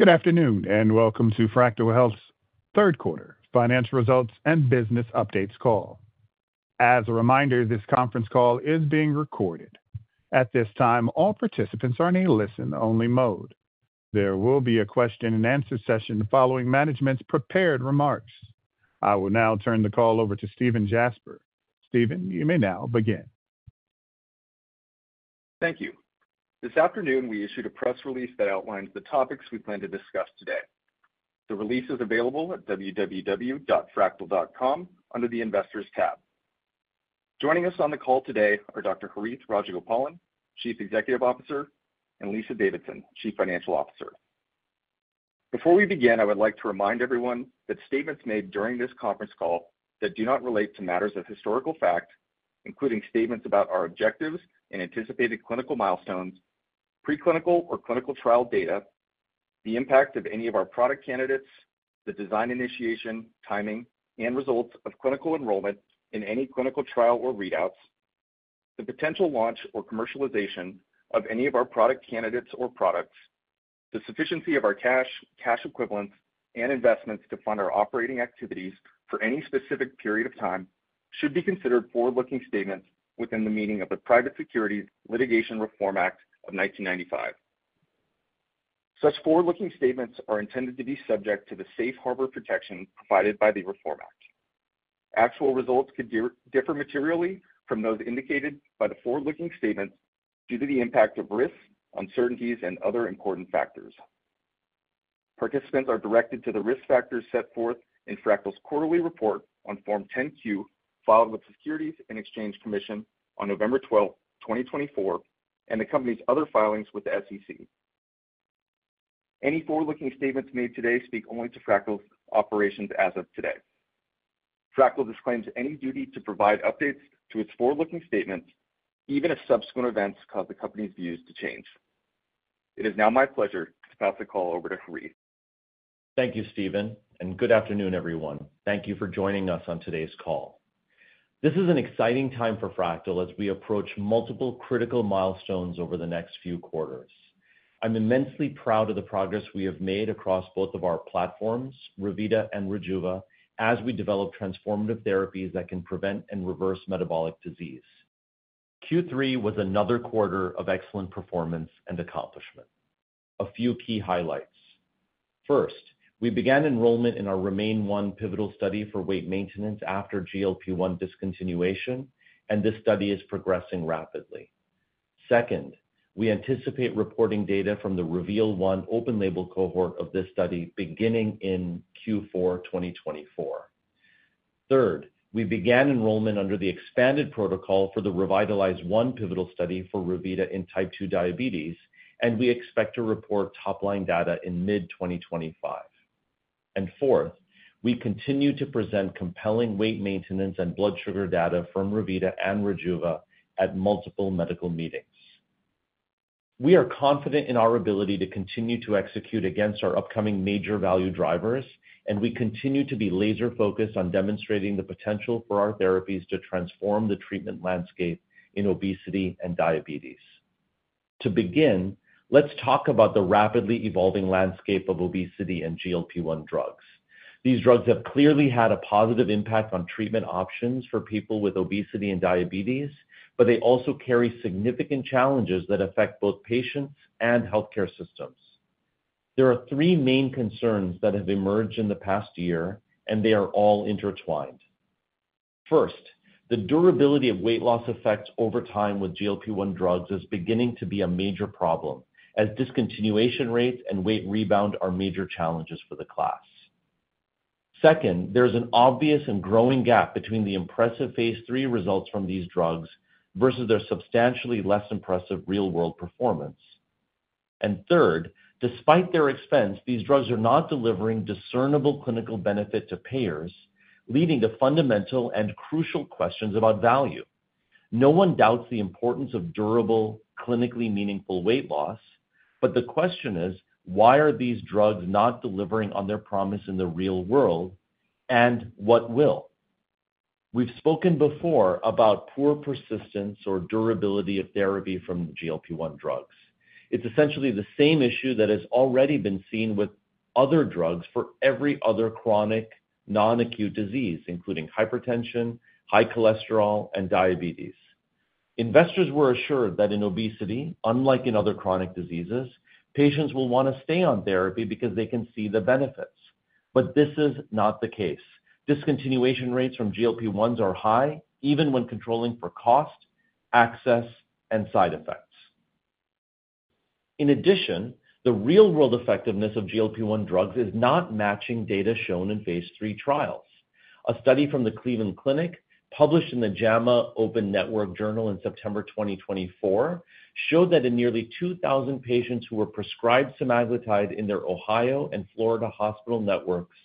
Good afternoon and welcome to Fractyl Health's third quarter financial results and business updates call. As a reminder, this conference call is being recorded. At this time, all participants are in a listen-only mode. There will be a question-and-answer session following management's prepared remarks. I will now turn the call over to Stephen Jasper. Stephen, you may now begin. Thank you. This afternoon, we issued a press release that outlines the topics we plan to discuss today. The release is available at www.fractyl.com under the Investors tab. Joining us on the call today are Dr. Harith Rajagopalan, Chief Executive Officer, and Lisa Davidson, Chief Financial Officer. Before we begin, I would like to remind everyone that statements made during this conference call do not relate to matters of historical fact, including statements about our objectives and anticipated clinical milestones, preclinical or clinical trial data, the impact of any of our product candidates, the design initiation, timing, and results of clinical enrollment in any clinical trial or readouts, the potential launch or commercialization of any of our product candidates or products, the sufficiency of our cash, cash equivalents, and investments to fund our operating activities for any specific period of time should be considered forward-looking statements within the meaning of the Private Securities Litigation Reform Act of 1995. Such forward-looking statements are intended to be subject to the safe harbor protection provided by the Reform Act. Actual results could differ materially from those indicated by the forward-looking statements due to the impact of risks, uncertainties, and other important factors. Participants are directed to the risk factors set forth in Fractyl's quarterly report on Form 10-Q filed with the Securities and Exchange Commission on November 12, 2024, and the company's other filings with the SEC. Any forward-looking statements made today speak only to Fractyl's operations as of today. Fractyl disclaims any duty to provide updates to its forward-looking statements, even if subsequent events cause the company's views to change. It is now my pleasure to pass the call over to Harith. Thank you, Stephen, and good afternoon, everyone. Thank you for joining us on today's call. This is an exciting time for Fractyl as we approach multiple critical milestones over the next few quarters. I'm immensely proud of the progress we have made across both of our platforms, Rivita and Rejuva, as we develop transformative therapies that can prevent and reverse metabolic disease. Q3 was another quarter of excellent performance and accomplishment. A few key highlights. First, we began enrollment in our Remain-1 pivotal study for weight maintenance after GLP-1 discontinuation, and this study is progressing rapidly. Second, we anticipate reporting data from the Reveal-1 open-label cohort of this study beginning in Q4 2024. Third, we began enrollment under the expanded protocol for the Revitalize-1 pivotal study for Rivita in type 2 diabetes, and we expect to report top-line data in mid-2025. Fourth, we continue to present compelling weight maintenance and blood sugar data from Rivita and Rejuva at multiple medical meetings. We are confident in our ability to continue to execute against our upcoming major value drivers, and we continue to be laser-focused on demonstrating the potential for our therapies to transform the treatment landscape in obesity and diabetes. To begin, let's talk about the rapidly evolving landscape of obesity and GLP-1 drugs. These drugs have clearly had a positive impact on treatment options for people with obesity and diabetes, but they also carry significant challenges that affect both patients and healthcare systems. There are three main concerns that have emerged in the past year, and they are all intertwined. First, the durability of weight loss effects over time with GLP-1 drugs is beginning to be a major problem, as discontinuation rates and weight rebound are major challenges for the class. Second, there is an obvious and growing gap between the impressive phase three results from these drugs versus their substantially less impressive real-world performance. And third, despite their expense, these drugs are not delivering discernible clinical benefit to payers, leading to fundamental and crucial questions about value. No one doubts the importance of durable, clinically meaningful weight loss, but the question is, why are these drugs not delivering on their promise in the real world, and what will? We've spoken before about poor persistence or durability of therapy from the GLP-1 drugs. It's essentially the same issue that has already been seen with other drugs for every other chronic non-acute disease, including hypertension, high cholesterol, and diabetes. Investors were assured that in obesity, unlike in other chronic diseases, patients will want to stay on therapy because they can see the benefits. But this is not the case. Discontinuation rates from GLP-1s are high, even when controlling for cost, access, and side effects. In addition, the real-world effectiveness of GLP-1 drugs is not matching data shown in phase three trials. A study from the Cleveland Clinic published in JAMA Network Open in September 2024 showed that in nearly 2,000 patients who were prescribed semaglutide in their Ohio and Florida hospital networks,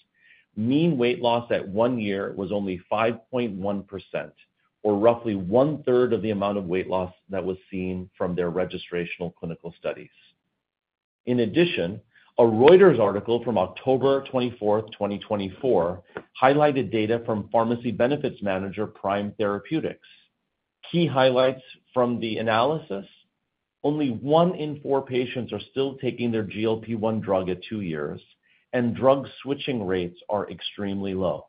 mean weight loss at one year was only 5.1%, or roughly one-third of the amount of weight loss that was seen from their registrational clinical studies. In addition, a Reuters article from October 24, 2024, highlighted data from pharmacy benefits manager Prime Therapeutics. Key highlights from the analysis: only one in four patients are still taking their GLP-1 drug at two years, and drug switching rates are extremely low.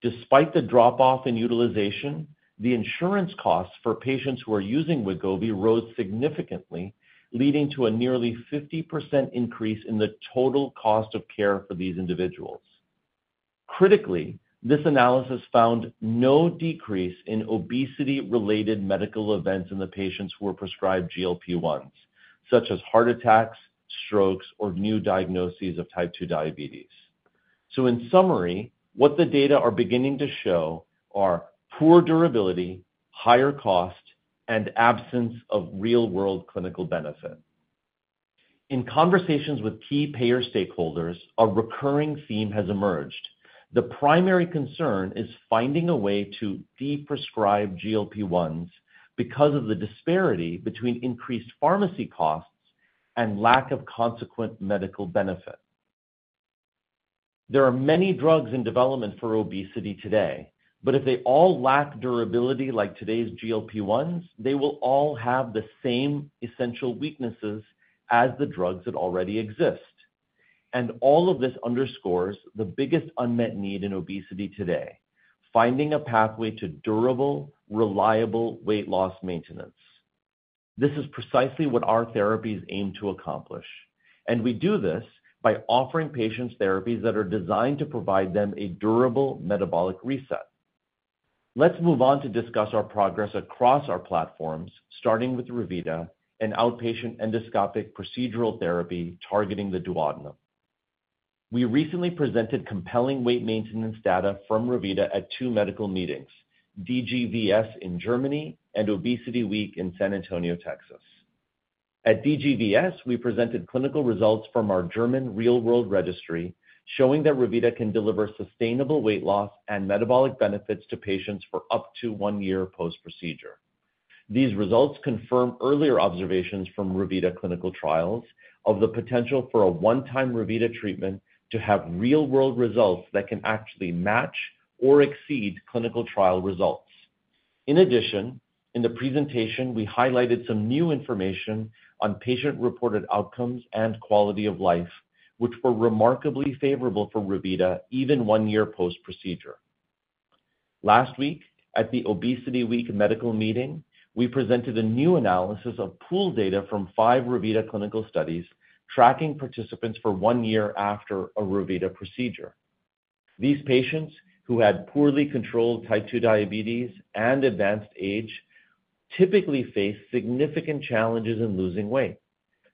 Despite the drop-off in utilization, the insurance costs for patients who are using Wegovy rose significantly, leading to a nearly 50% increase in the total cost of care for these individuals. Critically, this analysis found no decrease in obesity-related medical events in the patients who were prescribed GLP-1s, such as heart attacks, strokes, or new diagnoses of type 2 diabetes. So, in summary, what the data are beginning to show are poor durability, higher cost, and absence of real-world clinical benefit. In conversations with key payer stakeholders, a recurring theme has emerged. The primary concern is finding a way to de-prescribe GLP-1s because of the disparity between increased pharmacy costs and lack of consequent medical benefit. There are many drugs in development for obesity today, but if they all lack durability like today's GLP-1s, they will all have the same essential weaknesses as the drugs that already exist, and all of this underscores the biggest unmet need in obesity today: finding a pathway to durable, reliable weight loss maintenance. This is precisely what our therapies aim to accomplish, and we do this by offering patients therapies that are designed to provide them a durable metabolic reset. Let's move on to discuss our progress across our platforms, starting with Rivita and outpatient endoscopic procedural therapy targeting the duodenum. We recently presented compelling weight maintenance data from Rivita at two medical meetings: DGVS in Germany and ObesityWeek in San Antonio, Texas. At DGVS, we presented clinical results from our German real-world registry, showing that Rivita can deliver sustainable weight loss and metabolic benefits to patients for up to one year post-procedure. These results confirm earlier observations from Rivita clinical trials of the potential for a one-time Rivita treatment to have real-world results that can actually match or exceed clinical trial results. In addition, in the presentation, we highlighted some new information on patient-reported outcomes and quality of life, which were remarkably favorable for Rivita even one year post-procedure. Last week, at the ObesityWeek medical meeting, we presented a new analysis of pooled data from five Rivita clinical studies tracking participants for one year after a Rivita procedure. These patients who had poorly controlled type 2 diabetes and advanced age typically face significant challenges in losing weight.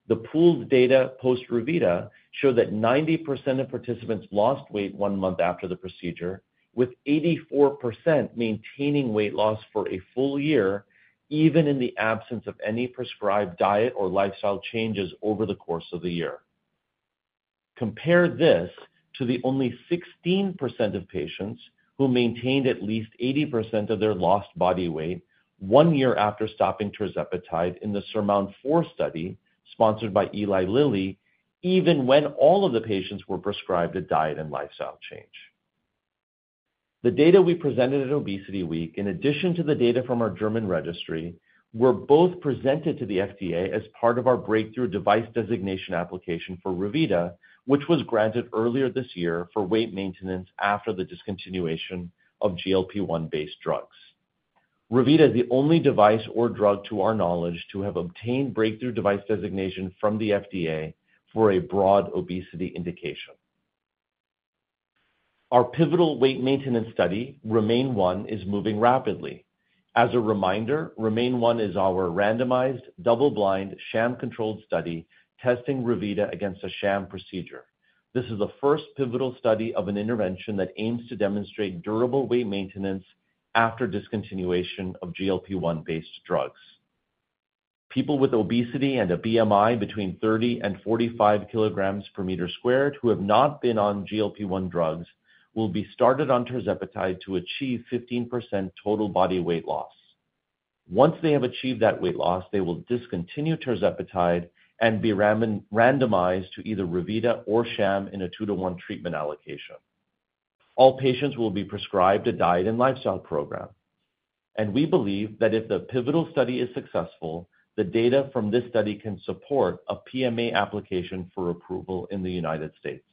The pooled data post-Rivita showed that 90% of participants lost weight one month after the procedure, with 84% maintaining weight loss for a full year, even in the absence of any prescribed diet or lifestyle changes over the course of the year. Compare this to the only 16% of patients who maintained at least 80% of their lost body weight one year after stopping tirzepatide in the SURMOUNT-4 study sponsored by Eli Lilly, even when all of the patients were prescribed a diet and lifestyle change. The data we presented at ObesityWeek, in addition to the data from our German registry, were both presented to the FDA as part of our breakthrough device designation application for Rivita, which was granted earlier this year for weight maintenance after the discontinuation of GLP-1-based drugs. Rivita is the only device or drug, to our knowledge, to have obtained breakthrough device designation from the FDA for a broad obesity indication. Our pivotal weight maintenance study, Remain-1, is moving rapidly. As a reminder, Remain-1 is our randomized, double-blind, sham-controlled study testing Rivita against a sham procedure. This is the first pivotal study of an intervention that aims to demonstrate durable weight maintenance after discontinuation of GLP-1-based drugs. People with obesity and a BMI between 30 and 45 kilograms per meter squared who have not been on GLP-1 drugs will be started on tirzepatide to achieve 15% total body weight loss. Once they have achieved that weight loss, they will discontinue tirzepatide and be randomized to either Rivita or sham in a two-to-one treatment allocation. All patients will be prescribed a diet and lifestyle program. And we believe that if the pivotal study is successful, the data from this study can support a PMA application for approval in the United States.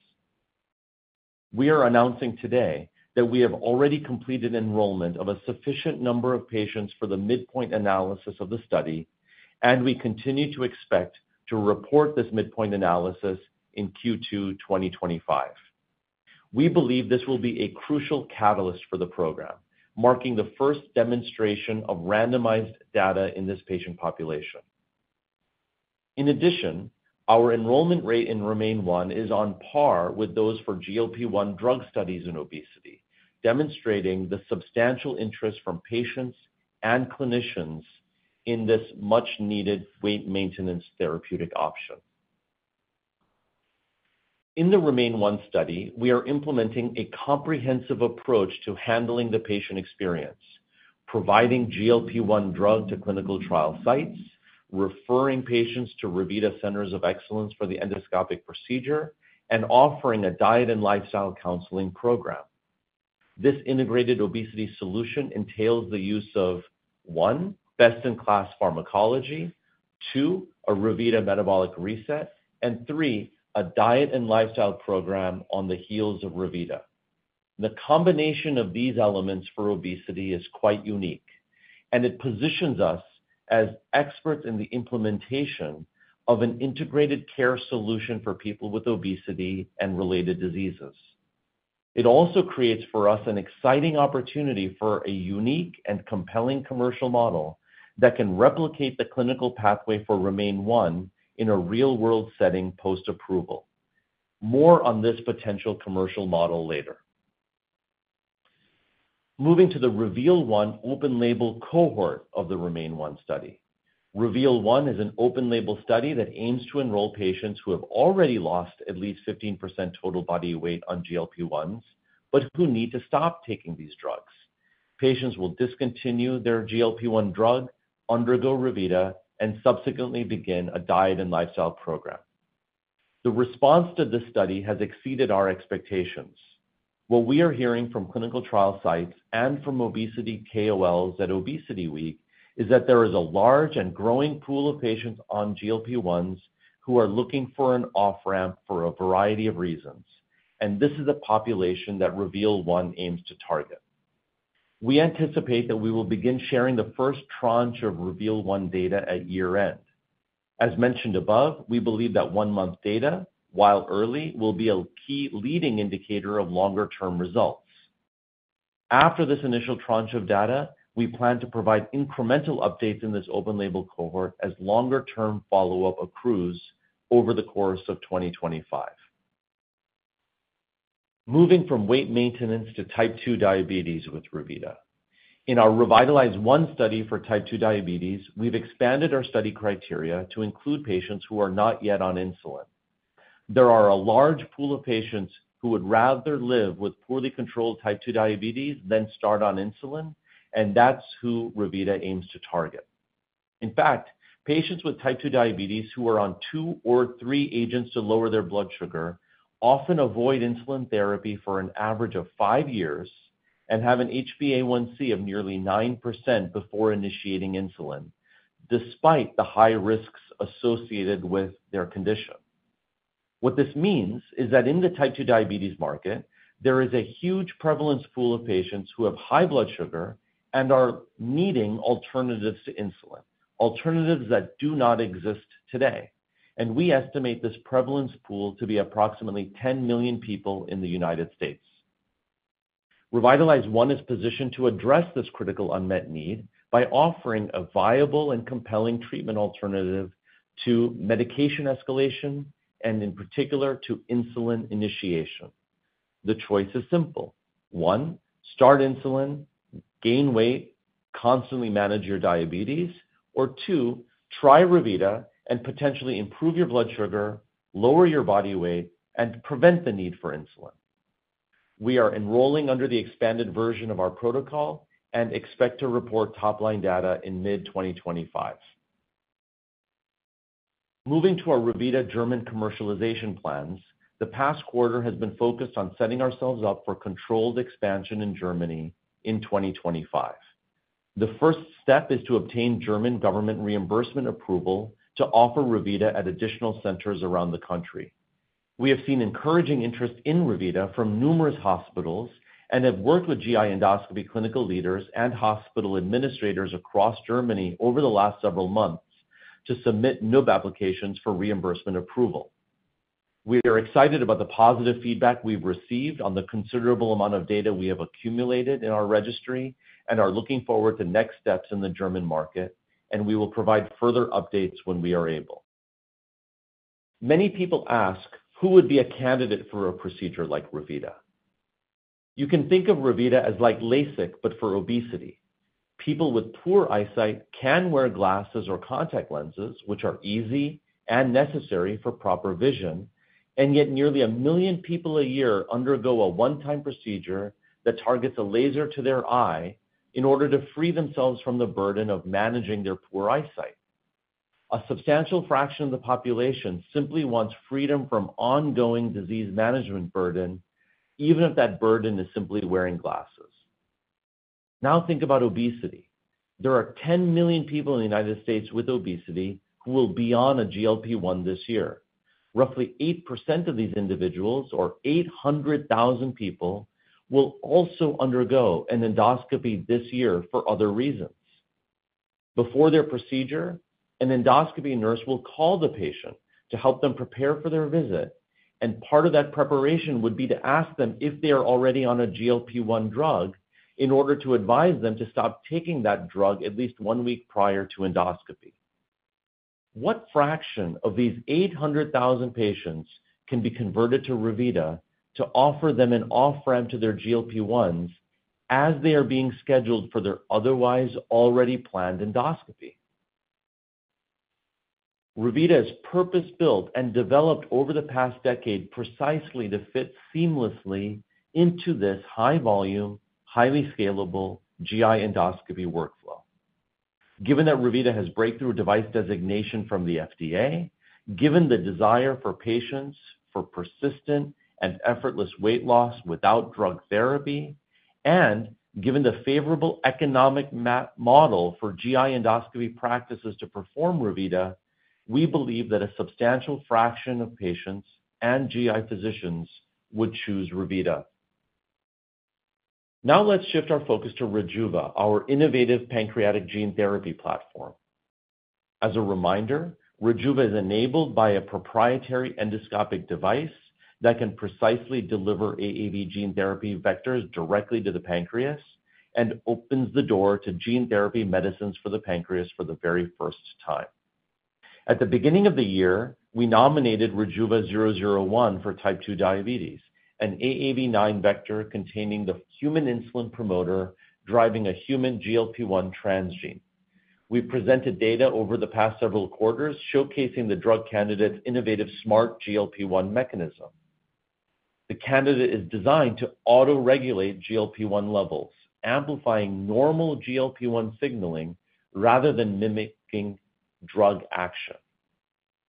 We are announcing today that we have already completed enrollment of a sufficient number of patients for the midpoint analysis of the study, and we continue to expect to report this midpoint analysis in Q2 2025. We believe this will be a crucial catalyst for the program, marking the first demonstration of randomized data in this patient population. In addition, our enrollment rate in Remain-1 is on par with those for GLP-1 drug studies in obesity, demonstrating the substantial interest from patients and clinicians in this much-needed weight maintenance therapeutic option. In the Remain-1 study, we are implementing a comprehensive approach to handling the patient experience, providing GLP-1 drug to clinical trial sites, referring patients to Rivita Centers of Excellence for the endoscopic procedure, and offering a diet and lifestyle counseling program. This integrated obesity solution entails the use of, one, best-in-class pharmacology, two, a Rivita metabolic reset, and three, a diet and lifestyle program on the heels of Rivita. The combination of these elements for obesity is quite unique, and it positions us as experts in the implementation of an integrated care solution for people with obesity and related diseases. It also creates for us an exciting opportunity for a unique and compelling commercial model that can replicate the clinical pathway for Remain-1 in a real-world setting post-approval. More on this potential commercial model later. Moving to the Reveal-1 open-label cohort of the Remain-1 study. Reveal-1 is an open-label study that aims to enroll patients who have already lost at least 15% total body weight on GLP-1s, but who need to stop taking these drugs. Patients will discontinue their GLP-1 drug, undergo Rivita, and subsequently begin a diet and lifestyle program. The response to this study has exceeded our expectations. What we are hearing from clinical trial sites and from obesity KOLs at ObesityWeek is that there is a large and growing pool of patients on GLP-1s who are looking for an off-ramp for a variety of reasons. And this is the population that Reveal-1 aims to target. We anticipate that we will begin sharing the first tranche of Reveal-1 data at year-end. As mentioned above, we believe that one-month data, while early, will be a key leading indicator of longer-term results. After this initial tranche of data, we plan to provide incremental updates in this open-label cohort as longer-term follow-up accrues over the course of 2025. Moving from weight maintenance to type 2 diabetes with Rivita. In our Revitalize-1 study for type 2 diabetes, we've expanded our study criteria to include patients who are not yet on insulin. There are a large pool of patients who would rather live with poorly controlled type 2 diabetes than start on insulin, and that's who Rivita aims to target. In fact, patients with type 2 diabetes who are on two or three agents to lower their blood sugar often avoid insulin therapy for an average of five years and have an HbA1c of nearly 9% before initiating insulin, despite the high risks associated with their condition. What this means is that in the type 2 diabetes market, there is a huge prevalence pool of patients who have high blood sugar and are needing alternatives to insulin, alternatives that do not exist today. We estimate this prevalence pool to be approximately 10 million people in the United States. Revitalize-1 is positioned to address this critical unmet need by offering a viable and compelling treatment alternative to medication escalation and, in particular, to insulin initiation. The choice is simple. One, start insulin, gain weight, constantly manage your diabetes, or two, try Rivita and potentially improve your blood sugar, lower your body weight, and prevent the need for insulin. We are enrolling under the expanded version of our protocol and expect to report top-line data in mid-2025. Moving to our Rivita German commercialization plans, the past quarter has been focused on setting ourselves up for controlled expansion in Germany in 2025. The first step is to obtain German government reimbursement approval to offer Rivita at additional centers around the country. We have seen encouraging interest in Rivita from numerous hospitals and have worked with GI endoscopy clinical leaders and hospital administrators across Germany over the last several months to submit NUB applications for reimbursement approval. We are excited about the positive feedback we've received on the considerable amount of data we have accumulated in our registry and are looking forward to next steps in the German market, and we will provide further updates when we are able. Many people ask who would be a candidate for a procedure like Rivita. You can think of Rivita as like LASIK, but for obesity. People with poor eyesight can wear glasses or contact lenses, which are easy and necessary for proper vision, and yet nearly a million people a year undergo a one-time procedure that targets a laser to their eye in order to free themselves from the burden of managing their poor eyesight. A substantial fraction of the population simply wants freedom from ongoing disease management burden, even if that burden is simply wearing glasses. Now think about obesity. There are 10 million people in the United States with obesity who will be on a GLP-1 this year. Roughly 8% of these individuals, or 800,000 people, will also undergo an endoscopy this year for other reasons. Before their procedure, an endoscopy nurse will call the patient to help them prepare for their visit, and part of that preparation would be to ask them if they are already on a GLP-1 drug in order to advise them to stop taking that drug at least one week prior to endoscopy. What fraction of these 800,000 patients can be converted to Rivita to offer them an off-ramp to their GLP-1s as they are being scheduled for their otherwise already planned endoscopy? Rivita is purpose-built and developed over the past decade precisely to fit seamlessly into this high-volume, highly scalable GI endoscopy workflow. Given that Rivita has breakthrough device designation from the FDA, given the desire for patients for persistent and effortless weight loss without drug therapy, and given the favorable economic model for GI endoscopy practices to perform Rivita, we believe that a substantial fraction of patients and GI physicians would choose Rivita. Now let's shift our focus to Rejuva, our innovative pancreatic gene therapy platform. As a reminder, Rejuva is enabled by a proprietary endoscopic device that can precisely deliver AAV gene therapy vectors directly to the pancreas and opens the door to gene therapy medicines for the pancreas for the very first time. At the beginning of the year, we nominated Rejuva-001 for type 2 diabetes, an AAV9 vector containing the human insulin promoter driving a human GLP-1 transgene. We presented data over the past several quarters showcasing the drug candidate's innovative smart GLP-1 mechanism. The candidate is designed to autoregulate GLP-1 levels, amplifying normal GLP-1 signaling rather than mimicking drug action.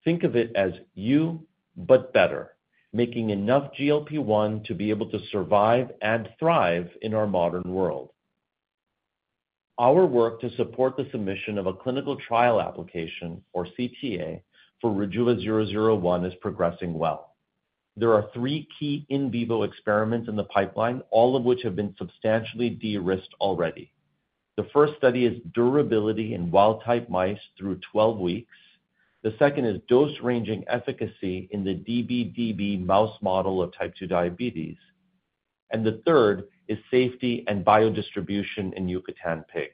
Think of it as you, but better, making enough GLP-1 to be able to survive and thrive in our modern world. Our work to support the submission of a clinical trial application, or CTA, for Rejuva-001 is progressing well. There are three key in vivo experiments in the pipeline, all of which have been substantially de-risked already. The first study is durability in wild-type mice through 12 weeks. The second is dose-ranging efficacy in the db/db mouse model of type 2 diabetes. And the third is safety and biodistribution in Yucatan pigs.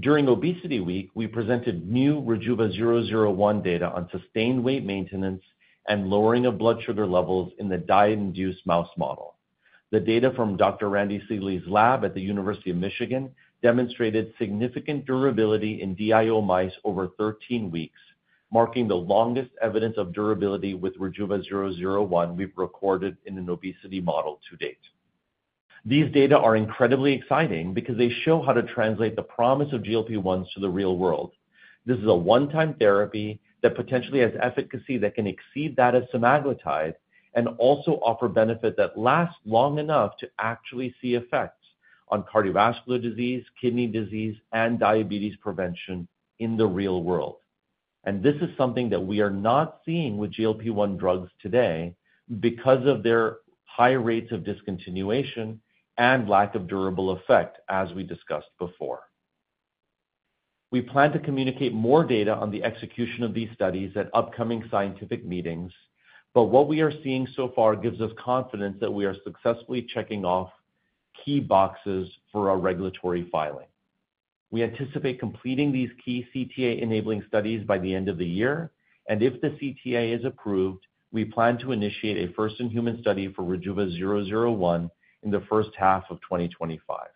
During ObesityWeek, we presented new Rejuva-001 data on sustained weight maintenance and lowering of blood sugar levels in the diet-induced mouse model. The data from Dr. Randy Seeley's lab at the University of Michigan demonstrated significant durability in DIO mice over 13 weeks, marking the longest evidence of durability with Rejuva-001 we've recorded in an obesity model to date. These data are incredibly exciting because they show how to translate the promise of GLP-1s to the real world. This is a one-time therapy that potentially has efficacy that can exceed that of semaglutide and also offer benefit that lasts long enough to actually see effects on cardiovascular disease, kidney disease, and diabetes prevention in the real world, and this is something that we are not seeing with GLP-1 drugs today because of their high rates of discontinuation and lack of durable effect, as we discussed before. We plan to communicate more data on the execution of these studies at upcoming scientific meetings, but what we are seeing so far gives us confidence that we are successfully checking off key boxes for our regulatory filing. We anticipate completing these key CTA-enabling studies by the end of the year, and if the CTA is approved, we plan to initiate a first-in-human study for Rejuva-001 in the first half of 2025.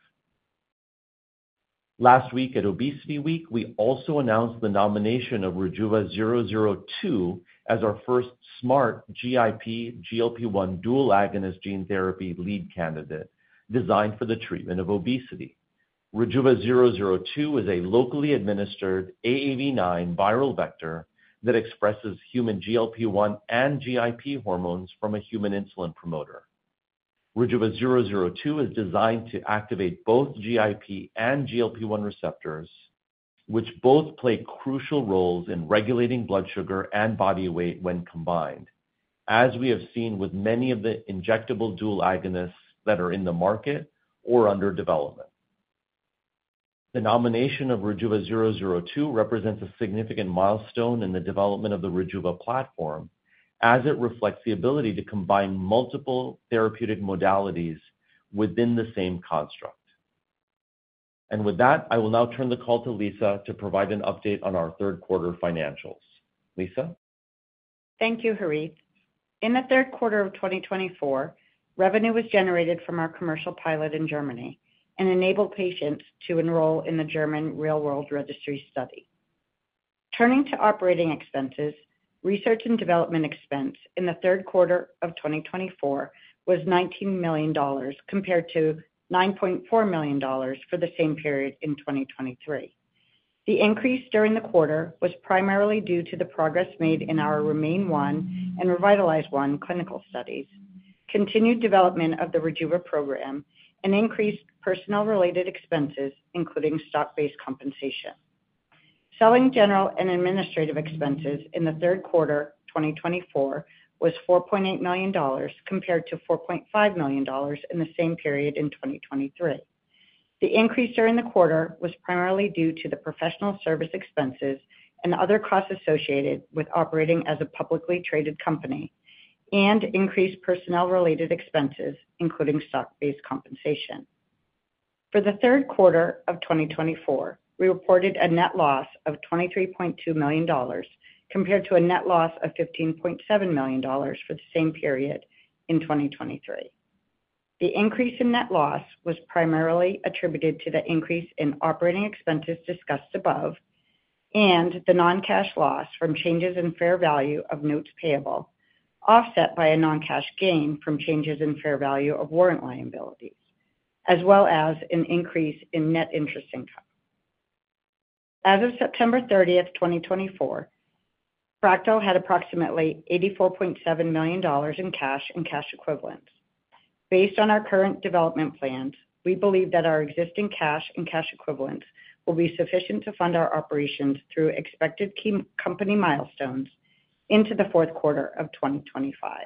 Last week at ObesityWeek, we also announced the nomination of Rejuva-002 as our first smart GIP-GLP-1 dual agonist gene therapy lead candidate designed for the treatment of obesity. Rejuva-002 is a locally administered AAV9 viral vector that expresses human GLP-1 and GIP hormones from a human insulin promoter. Rejuva-002 is designed to activate both GIP and GLP-1 receptors, which both play crucial roles in regulating blood sugar and body weight when combined, as we have seen with many of the injectable dual agonists that are in the market or under development. The nomination of Rejuva-002 represents a significant milestone in the development of the Rejuva platform, as it reflects the ability to combine multiple therapeutic modalities within the same construct, and with that, I will now turn the call to Lisa to provide an update on our third quarter financials. Lisa? Thank you, Harith. In the third quarter of 2024, revenue was generated from our commercial pilot in Germany and enabled patients to enroll in the German real-world registry study. Turning to operating expenses, research and development expense in the third quarter of 2024 was $19 million, compared to $9.4 million for the same period in 2023. The increase during the quarter was primarily due to the progress made in our Remain-1 and Revitalize-1 clinical studies, continued development of the Rejuva program, and increased personnel-related expenses, including stock-based compensation. Selling, general, and administrative expenses in the third quarter 2024 was $4.8 million, compared to $4.5 million in the same period in 2023. The increase during the quarter was primarily due to the professional service expenses and other costs associated with operating as a publicly traded company and increased personnel-related expenses, including stock-based compensation. For the third quarter of 2024, we reported a net loss of $23.2 million, compared to a net loss of $15.7 million for the same period in 2023. The increase in net loss was primarily attributed to the increase in operating expenses discussed above and the non-cash loss from changes in fair value of notes payable, offset by a non-cash gain from changes in fair value of warrant liabilities, as well as an increase in net interest income. As of September 30, 2024, Fractyl had approximately $84.7 million in cash and cash equivalents. Based on our current development plans, we believe that our existing cash and cash equivalents will be sufficient to fund our operations through expected company milestones into the fourth quarter of 2025.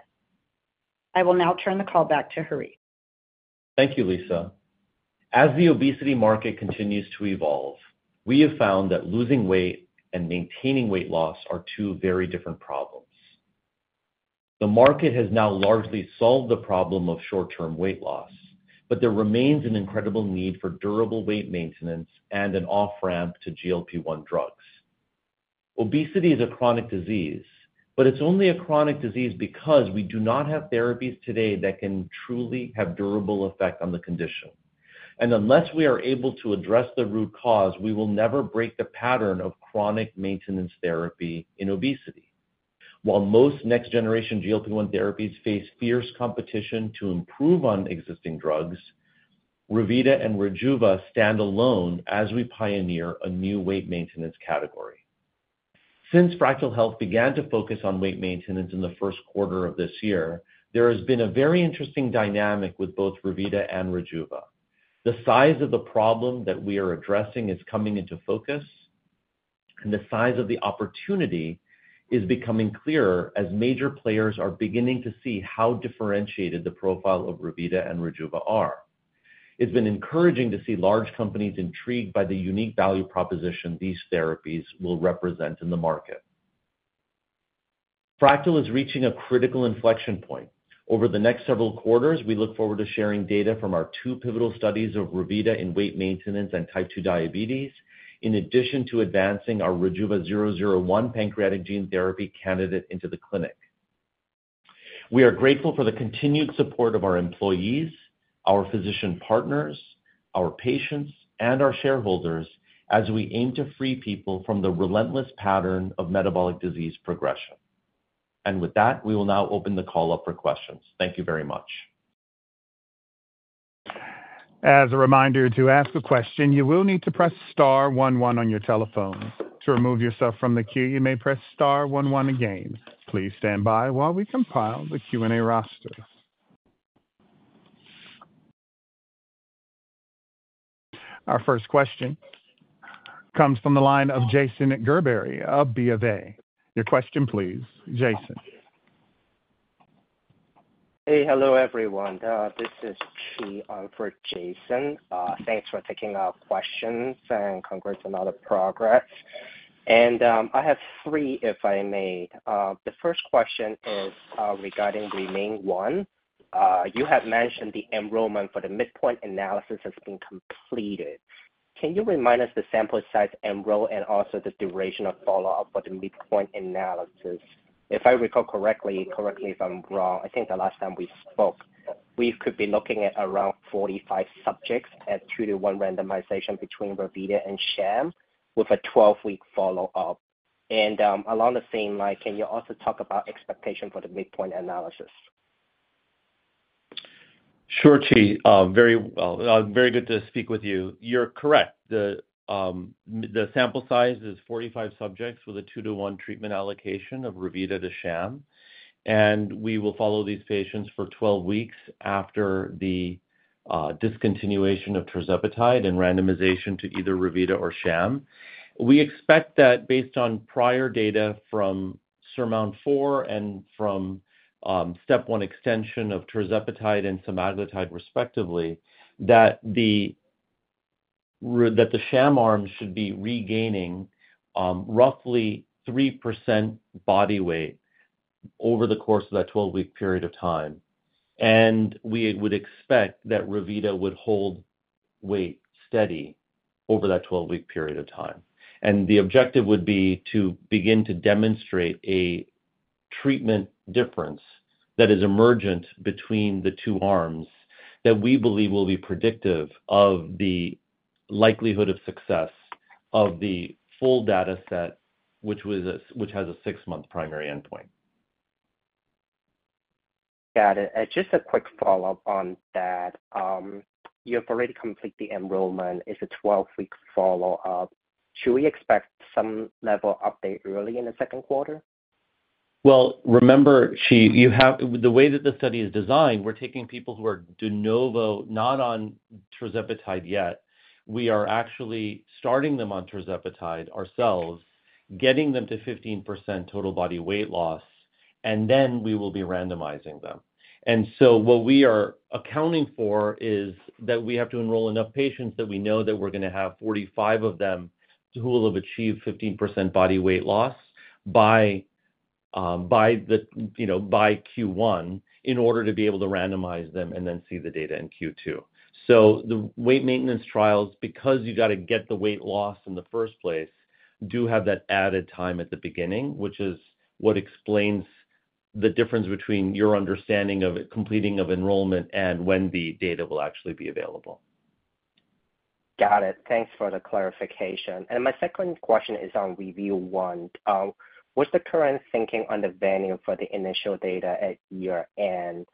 I will now turn the call back to Harith. Thank you, Lisa. As the obesity market continues to evolve, we have found that losing weight and maintaining weight loss are two very different problems. The market has now largely solved the problem of short-term weight loss, but there remains an incredible need for durable weight maintenance and an off-ramp to GLP-1 drugs. Obesity is a chronic disease, but it's only a chronic disease because we do not have therapies today that can truly have durable effect on the condition, and unless we are able to address the root cause, we will never break the pattern of chronic maintenance therapy in obesity. While most next-generation GLP-1 therapies face fierce competition to improve on existing drugs, Rivita and Rejuva stand alone as we pioneer a new weight maintenance category. Since Fractyl Health began to focus on weight maintenance in the first quarter of this year, there has been a very interesting dynamic with both Rivita and Rejuva. The size of the problem that we are addressing is coming into focus, and the size of the opportunity is becoming clearer as major players are beginning to see how differentiated the profile of Rivita and Rejuva are. It's been encouraging to see large companies intrigued by the unique value proposition these therapies will represent in the market. Fractyl is reaching a critical inflection point. Over the next several quarters, we look forward to sharing data from our two pivotal studies of Rivita in weight maintenance and type 2 diabetes, in addition to advancing our Rejuva-001 pancreatic gene therapy candidate into the clinic. We are grateful for the continued support of our employees, our physician partners, our patients, and our shareholders as we aim to free people from the relentless pattern of metabolic disease progression. And with that, we will now open the call up for questions. Thank you very much. As a reminder to ask a question, you will need to press star one one on your telephone. To remove yourself from the queue, you may press star one one again. Please stand by while we compile the Q&A roster. Our first question comes from the line of Jason Gerberry of BofA. Your question, please, Jason. Hey, hello, everyone. This is Chi for Jason. Thanks for taking our questions and congrats on all the progress. And I have three, if I may. The first question is regarding Remain-1. You have mentioned the enrollment for the midpoint analysis has been completed. Can you remind us the sample size enrolled and also the duration of follow-up for the midpoint analysis? If I recall correctly, correct me if I'm wrong, I think the last time we spoke, we could be looking at around 45 subjects and two-to-one randomization between Rivita and Sham with a 12-week follow-up, and along the same line, can you also talk about expectation for the midpoint analysis? Sure, Chi. Very good to speak with you. You're correct. The sample size is 45 subjects with a two-to-one treatment allocation of Rivita to Sham, and we will follow these patients for 12 weeks after the discontinuation of tirzepatide and randomization to either Rivita or Sham. We expect that based on prior data from SURMOUNT-4 and from STEP 1 extension of tirzepatide and semaglutide, respectively, that the Sham arm should be regaining roughly 3% body weight over the course of that 12-week period of time. We would expect that Rivita would hold weight steady over that 12-week period of time. The objective would be to begin to demonstrate a treatment difference that is emergent between the two arms that we believe will be predictive of the likelihood of success of the full data set, which has a six-month primary endpoint. Got it. Just a quick follow-up on that. You've already completed the enrollment. It's a 12-week follow-up. Should we expect some level update early in the second quarter? Remember, Chi, the way that the study is designed, we're taking people who are de novo, not on tirzepatide yet. We are actually starting them on tirzepatide ourselves, getting them to 15% total body weight loss, and then we will be randomizing them. What we are accounting for is that we have to enroll enough patients that we know that we're going to have 45 of them who will have achieved 15% body weight loss by Q1 in order to be able to randomize them and then see the data in Q2. So the weight maintenance trials, because you got to get the weight loss in the first place, do have that added time at the beginning, which is what explains the difference between your understanding of completion of enrollment and when the data will actually be available. Got it. Thanks for the clarification. And my second question is on Reveal-1. What's the current thinking on the venue for the initial data at year-end?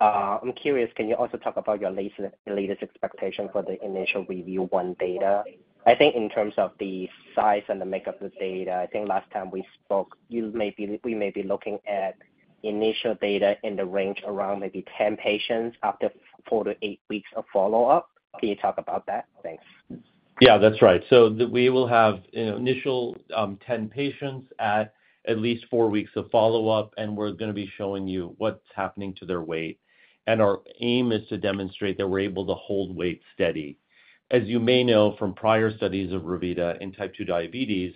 I'm curious, can you also talk about your latest expectation for the initial Reveal-1 data? I think in terms of the size and the makeup of the data, I think last time we spoke, we may be looking at initial data in the range around maybe 10 patients after four to eight weeks of follow-up. Can you talk about that? Thanks. Yeah, that's right. So we will have initial 10 patients at least four weeks of follow-up, and we're going to be showing you what's happening to their weight. And our aim is to demonstrate that we're able to hold weight steady. As you may know from prior studies of Rivita in type 2 diabetes,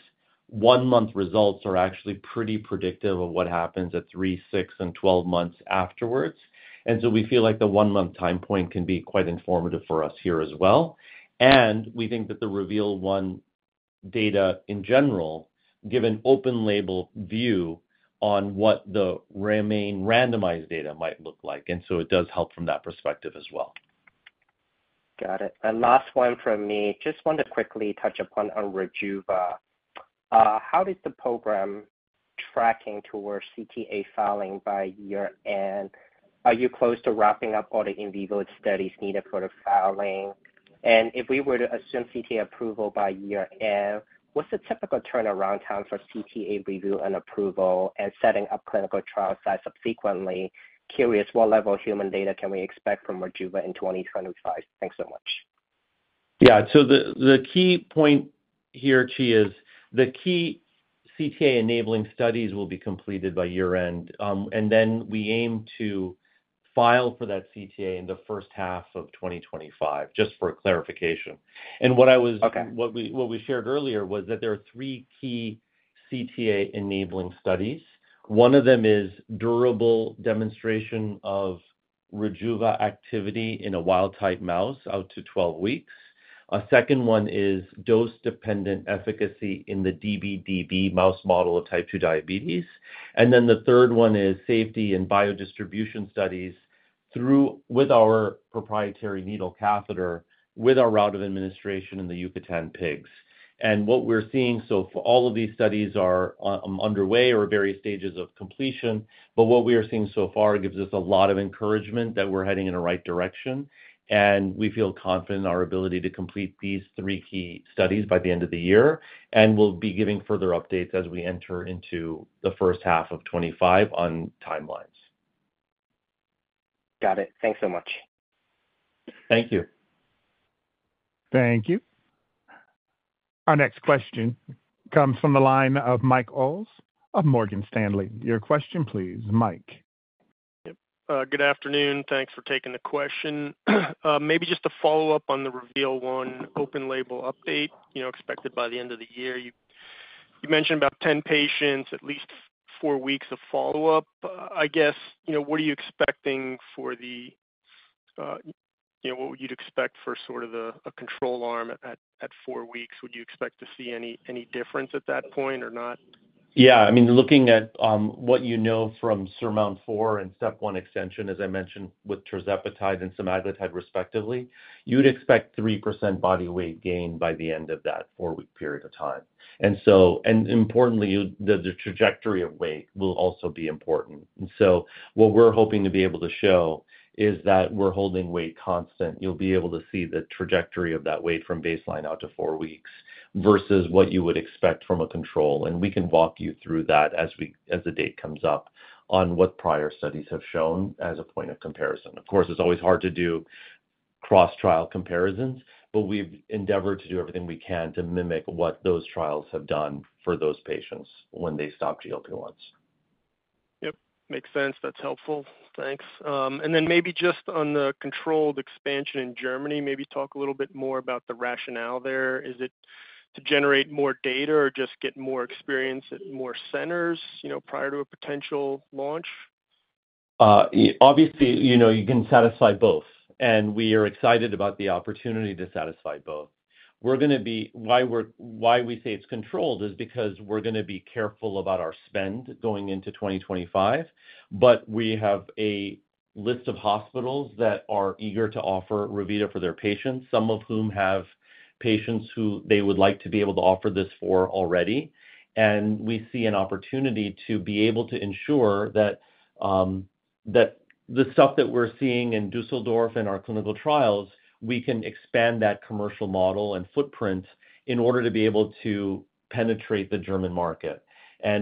one-month results are actually pretty predictive of what happens at three, six, and 12 months afterwards. And so we feel like the one-month time point can be quite informative for us here as well. We think that the Reveal-1 data in general gives an open-label view on what the randomized data might look like. So it does help from that perspective as well. Got it. And last one from me. Just want to quickly touch upon Rejuva. How is the program tracking towards CTA filing by year-end? Are you close to wrapping up all the in vivo studies needed for the filing? And if we were to assume CTA approval by year-end, what is the typical turnaround time for CTA review and approval and setting up clinical trial sites subsequently? Curious, what level of human data can we expect from Rejuva in 2025? Thanks so much. Yeah. The key point here, Chi, is the key CTA enabling studies will be completed by year-end. And then we aim to file for that CTA in the first half of 2025, just for clarification. And what we shared earlier was that there are three key CTA enabling studies. One of them is durable demonstration of Rejuva activity in a wild-type mouse out to 12 weeks. A second one is dose-dependent efficacy in the db/db mouse model of type 2 diabetes. And then the third one is safety and biodistribution studies with our proprietary needle catheter with our route of administration in the Yucatan pigs. And what we're seeing, so all of these studies are underway or various stages of completion, but what we are seeing so far gives us a lot of encouragement that we're heading in the right direction. And we feel confident in our ability to complete these three key studies by the end of the year. And we'll be giving further updates as we enter into the first half of 2025 on timelines. Got it. Thanks so much. Thank you. Thank you. Our next question comes from the line of Mike Ulz of Morgan Stanley. Your question, please, Mike. Good afternoon. Thanks for taking the question. Maybe just to follow up on the Reveal-1 open-label update expected by the end of the year. You mentioned about 10 patients, at least four weeks of follow-up. I guess, what are you expecting for the what would you expect for sort of a control arm at four weeks? Would you expect to see any difference at that point or not? Yeah. I mean, looking at what you know from SURMOUNT-4 and STEP 1 extension, as I mentioned with tirzepatide and semaglutide respectively, you'd expect 3% body weight gain by the end of that four-week period of time. Importantly, the trajectory of weight will also be important. So what we're hoping to be able to show is that we're holding weight constant. You'll be able to see the trajectory of that weight from baseline out to four weeks versus what you would expect from a control. We can walk you through that as the data comes up on what prior studies have shown as a point of comparison. Of course, it's always hard to do cross-trial comparisons, but we've endeavored to do everything we can to mimic what those trials have done for those patients when they stopped GLP-1s. Yep. Makes sense. That's helpful. Thanks. And then maybe just on the controlled expansion in Germany, maybe talk a little bit more about the rationale there. Is it to generate more data or just get more experience at more centers prior to a potential launch? Obviously, you can satisfy both. And we are excited about the opportunity to satisfy both. Why we say it's controlled is because we're going to be careful about our spend going into 2025. But we have a list of hospitals that are eager to offer Rivita for their patients, some of whom have patients who they would like to be able to offer this for already. And we see an opportunity to be able to ensure that the stuff that we're seeing in Düsseldorf and our clinical trials, we can expand that commercial model and footprint in order to be able to penetrate the German market.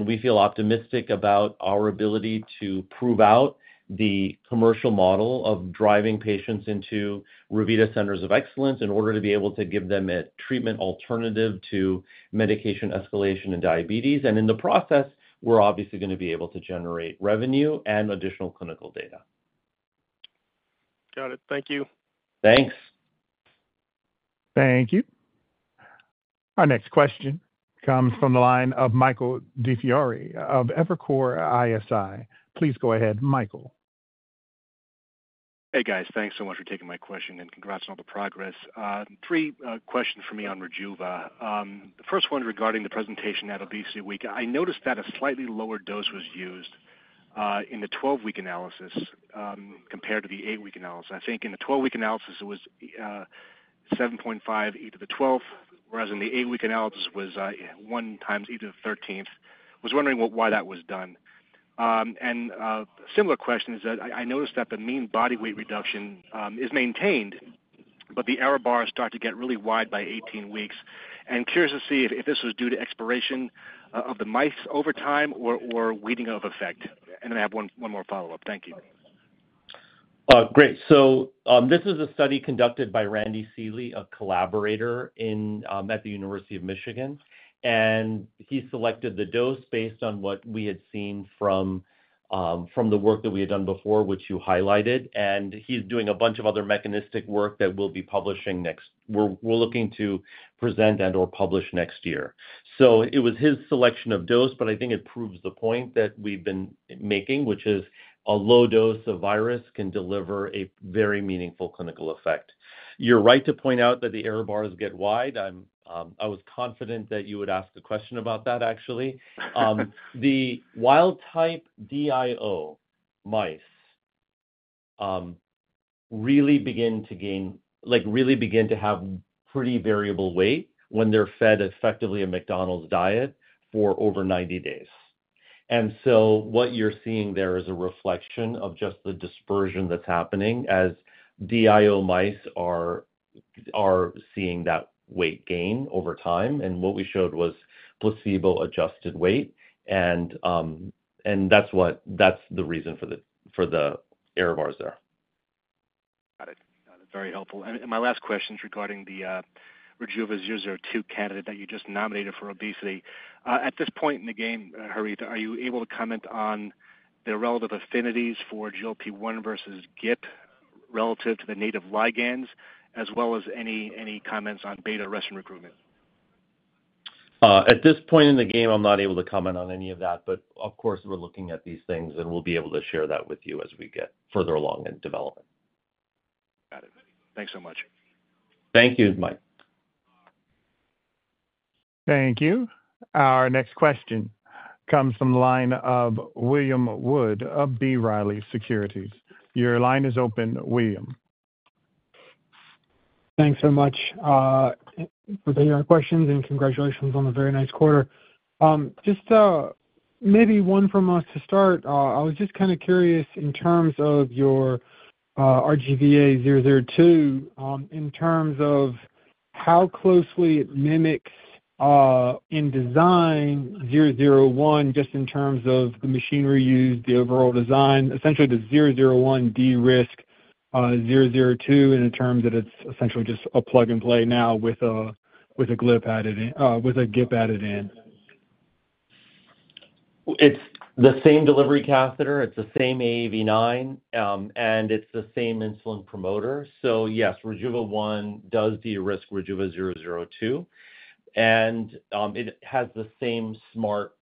We feel optimistic about our ability to prove out the commercial model of driving patients into Rivita centers of excellence in order to be able to give them a treatment alternative to medication escalation and diabetes. And in the process, we're obviously going to be able to generate revenue and additional clinical data. Got it. Thank you. Thanks. Thank you. Our next question comes from the line of Michael DiFiore of Evercore ISI. Please go ahead, Michael. Hey, guys. Thanks so much for taking my question and congrats on all the progress. Three questions for me on Rejuva. The first one regarding the presentation at ObesityWeek. I noticed that a slightly lower dose was used in the 12-week analysis compared to the 8-week analysis. I think in the 12-week analysis, it was 7.5e12, whereas in the 8-week analysis, it was 1e13. I was wondering why that was done. And a similar question is that I noticed that the mean body weight reduction is maintained, but the error bars start to get really wide by 18 weeks. And curious to see if this was due to expiration of the mice over time or weeding of effect. And then I have one more follow-up. Thank you. Great. So this is a study conducted by Randy Seeley, a collaborator at the University of Michigan. And he selected the dose based on what we had seen from the work that we had done before, which you highlighted. And he's doing a bunch of other mechanistic work that we'll be publishing next. We're looking to present and/or publish next year. So it was his selection of dose, but I think it proves the point that we've been making, which is a low dose of virus can deliver a very meaningful clinical effect. You're right to point out that the error bars get wide. I was confident that you would ask a question about that, actually. The wild-type DIO mice really begin to have pretty variable weight when they're fed effectively a McDonald's diet for over 90 days. And so what you're seeing there is a reflection of just the dispersion that's happening as DIO mice are seeing that weight gain over time. And what we showed was placebo-adjusted weight. And that's the reason for the error bars there. Got it. Got it. Very helpful. And my last question is regarding the Rejuva-002 candidate that you just nominated for obesity. At this point in the game, Harith, are you able to comment on the relative affinities for GLP-1 versus GIP relative to the native ligands, as well as any comments on beta-arrestin recruitment? At this point in the game, I'm not able to comment on any of that. But of course, we're looking at these things, and we'll be able to share that with you as we get further along in development. Got it. Thanks so much. Thank you, Mike. Thank you. Our next question comes from the line of William Wood of B. Riley Securities. Your line is open, William. Thanks so much for taking our questions and congratulations on a very nice quarter. Just maybe one from us to start. I was just kind of curious in terms of your Rejuva-002, in terms of how closely it mimics in design 001, just in terms of the machinery used, the overall design, essentially the 001 de-risks 002, and in terms that it's essentially just a plug and play now with a GIP added in. It's the same delivery catheter. It's the same AAV9, and it's the same insulin promoter. So yes, Rejuva-001 does de-risk Rejuva-002. It has the same smart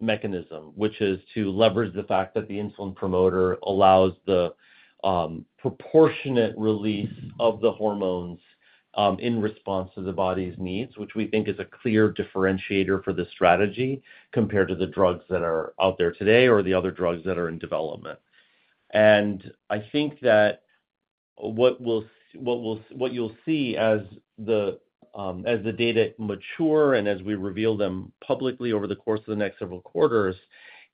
mechanism, which is to leverage the fact that the insulin promoter allows the proportionate release of the hormones in response to the body's needs, which we think is a clear differentiator for the strategy compared to the drugs that are out there today or the other drugs that are in development. And I think that what you'll see as the data mature and as we reveal them publicly over the course of the next several quarters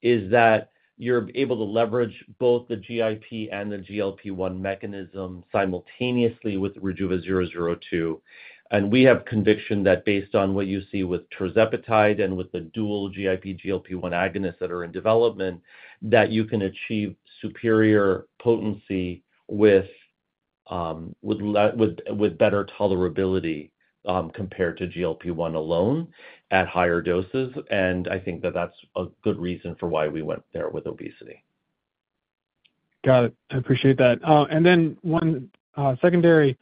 is that you're able to leverage both the GIP and the GLP-1 mechanism simultaneously with Rejuva-002. And we have conviction that based on what you see with tirzepatide and with the dual GIP-GLP-1 agonists that are in development, that you can achieve superior potency with better tolerability compared to GLP-1 alone at higher doses. And I think that that's a good reason for why we went there with obesity. Got it. I appreciate that. And then one secondary,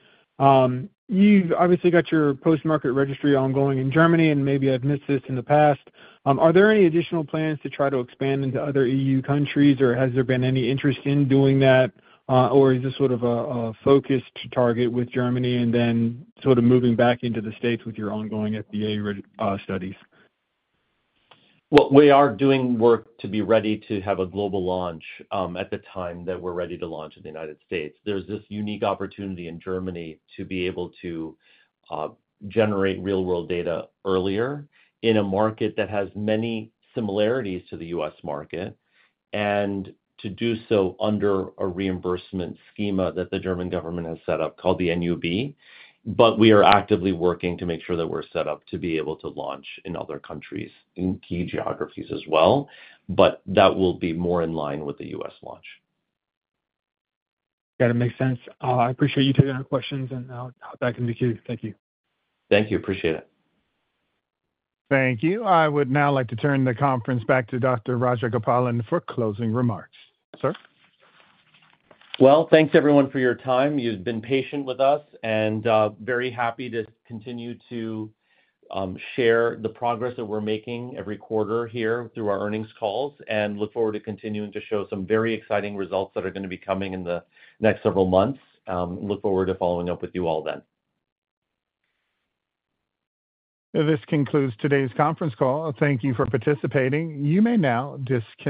you've obviously got your post-market registry ongoing in Germany, and maybe I've missed this in the past. Are there any additional plans to try to expand into other EU countries, or has there been any interest in doing that, or is this sort of a focused target with Germany and then sort of moving back into the States with your ongoing FDA studies? Well, we are doing work to be ready to have a global launch at the time that we're ready to launch in the United States. There's this unique opportunity in Germany to be able to generate real-world data earlier in a market that has many similarities to the U.S. market and to do so under a reimbursement schema that the German government has set up called the NUB. But we are actively working to make sure that we're set up to be able to launch in other countries in key geographies as well. But that will be more in line with the U.S. launch. Got it. Makes sense. I appreciate you taking our questions, and I'll hop back in with you. Thank you. Thank you. Appreciate it. Thank you. I would now like to turn the conference back to Dr. Rajagopalan for closing remarks. Sir. Well, thanks everyone for your time. You've been patient with us and very happy to continue to share the progress that we're making every quarter here through our earnings calls and look forward to continuing to show some very exciting results that are going to be coming in the next several months. Look forward to following up with you all then. This concludes today's conference call. Thank you for participating. You may now disconnect.